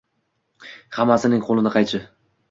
Ҳаммасининг қўлида қайчи